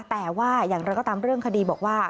แต่ว่าอย่างไรก็ตามเรื่องคดีบอกว่า